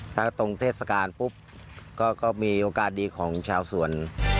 ถ้าตรงเทศกาลปุ๊บก็มีโอกาสดีของชาวสวน